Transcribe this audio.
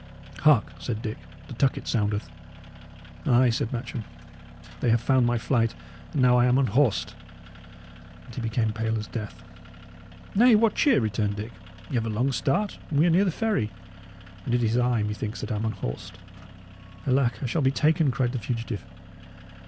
"Hark!" said Dick, "the tucket soundeth." "Ay," said Matcham, "they have found my flight, and now I am unhorsed!" and he became pale as death. "Nay, what cheer!" returned Dick. "Y' have a long start, and we are near the ferry. And it is I, methinks, that am unhorsed." "Alack, I shall be taken!" cried the fugitive.